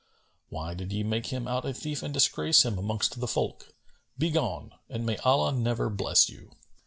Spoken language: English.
Why did ye make him out a thief and disgrace him amongst the folk? Begone, and may Allah never bless you!"